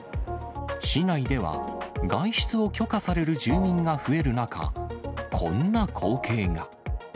市内では、外出を許可される住民が増える中、こんな光景が。